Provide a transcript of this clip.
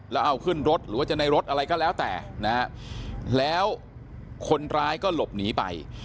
แล้วเอาขึ้นรถหรือว่าจะในรถอะไรก็แล้วแต่นะฮะแล้วคนร้ายก็หลบหนีไป